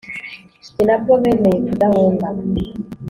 ni nabwo bemeye kudahunga